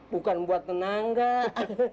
bukan untuk menanggah